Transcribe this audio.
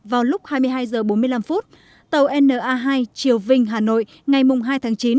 vào lúc hai mươi hai h bốn mươi năm tàu na hai chiều vinh hà nội ngày hai tháng chín